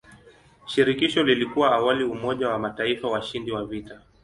Shirikisho lilikuwa awali umoja wa mataifa washindi wa vita.